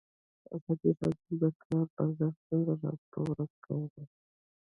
ازادي راډیو د د کار بازار ستونزې راپور کړي.